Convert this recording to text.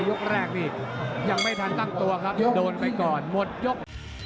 ยกแรกนี่ยังไม่ทันตั้งตัวครับโดนไปก่อนหมดยก